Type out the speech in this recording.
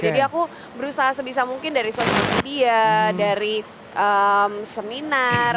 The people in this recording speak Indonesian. jadi aku berusaha sebisa mungkin dari sosial media dari seminar